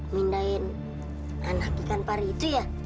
mindahin anak ikan pari itu ya